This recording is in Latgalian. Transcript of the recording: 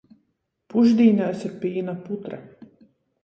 Pušdīnēs ir pīna putra.